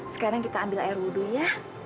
sekarang kita ambil air wudhu ya